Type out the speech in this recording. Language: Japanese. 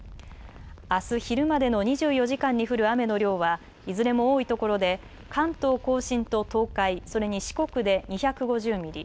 あす昼までの２４時間に降る雨の量はいずれも多い所で関東甲信と東海それに四国で２５０ミリ